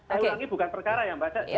saya ulangi bukan perkara ya mbak